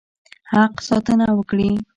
حق ساتنه وکړي.